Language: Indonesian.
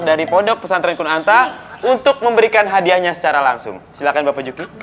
dari pondok pesantren kunanta untuk memberikan hadiahnya secara langsung silakan bapak cuti